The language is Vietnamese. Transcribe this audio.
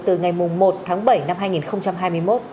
từ ngày một tháng bảy năm hai nghìn hai mươi một